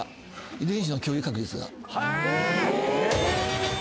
遺伝子の共有確率が。